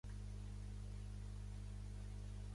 Apareixia en la pel·lícula amb el mateix nom de Yolande Moreau.